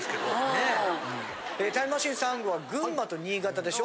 タイムマシーン３号は群馬と新潟でしょ。